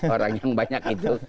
orang yang banyak itu